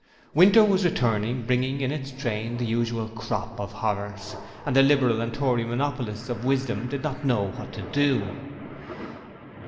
Winter was returning, bringing in its train the usual crop of horrors, and the Liberal and Tory monopolists of wisdom did not know what to do!